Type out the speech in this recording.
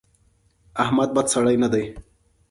احمد بد سړی نه دی.